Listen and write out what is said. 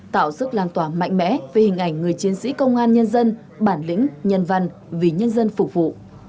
tạo sức lan tỏa mạnh mẽ về hình ảnh người chiến sĩ công an nhân dân bản lĩnh nhân văn vì nhân dân phục vụ